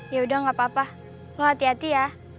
yaudah gapapa lo hati hati ya